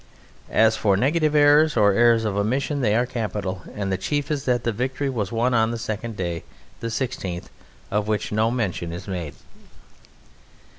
As for negative errors, or errors of omission, they are capital, and the chief is that the victory was won on the second day, the 16th, of which no mention is made.